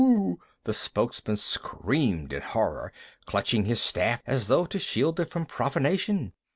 _" the spokesman screamed in horror, clutching his staff as though to shield it from profanation.